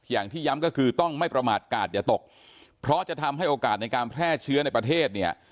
อย่างที่ย้ำก็คือต้องไม่ประมาทกาศอย่าตกเพราะจะทำให้โอกาสในการแพร่เชื้อในประเทศเนี่ย